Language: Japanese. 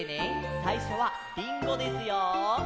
さいしょは「りんご」ですよ。